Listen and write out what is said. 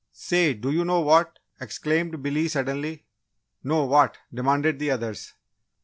"Say, do you know what?" exclaimed Billy, suddenly. "No, what?" demanded the others.